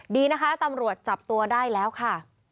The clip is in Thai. ดีนะคะตำรวจจับตัวได้แล้วค่ะ